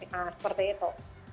nah seperti itu